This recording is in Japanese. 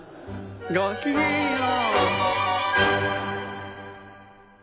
ごきげんよう！